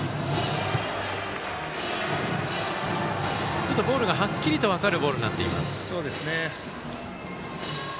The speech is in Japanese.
ちょっとボールがはっきりと分かるボールになっています。